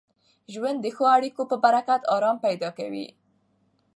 ژوند د ښو اړیکو په برکت ارام پیدا کوي.